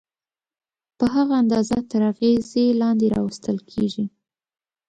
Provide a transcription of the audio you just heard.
په هغه اندازه تر اغېزې لاندې راوستل کېږي.